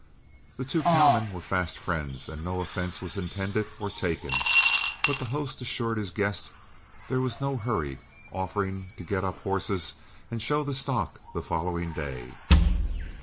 The two cowmen were fast friends, and no offense was intended or taken; but the host assured his guest there was no hurry, offering to get up horses and show the stock the following day.